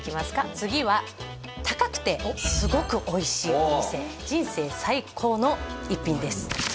次は高くてすごくおいしいお店人生最高の一品です